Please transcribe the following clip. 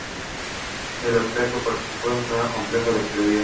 El austriaco Patrick Konrad completó el podio.